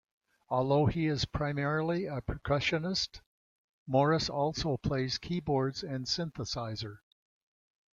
Although he is primarily a percussionist, Morris also plays keyboards and synthesizer.